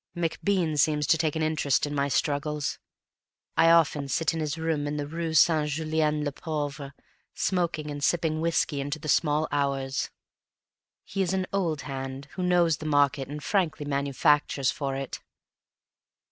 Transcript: MacBean seems to take an interest in my struggles. I often sit in his room in the rue Saint Julien le Pauvre, smoking and sipping whisky into the small hours. He is an old hand, who knows the market and frankly manufactures for it.